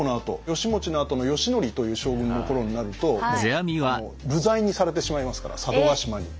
義持のあとの義教という将軍の頃になると流罪にされてしまいますから佐渡島に。